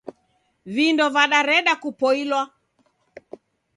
Vindo vadareda kupoilwa.